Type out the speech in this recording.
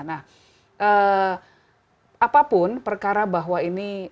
apapun perkara bahwa ini